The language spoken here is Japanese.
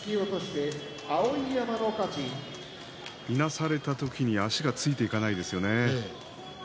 いなされた時に足がついていかないですね。